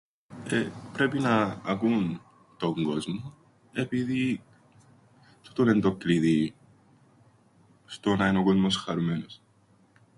Ε, πρέπει να... ακούουν τον κόσμον, επειδή τούτον εν' το κλειδίν στο να εν' ο κόσμος χαρούμενος.